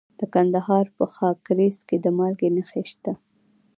د کندهار په خاکریز کې د مالګې نښې شته.